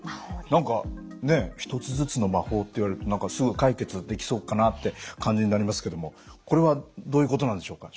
何か“ひとつずつ”の魔法って言われるとすぐ解決できそうかなって感じになりますけどもこれはどういうことなんでしょうか？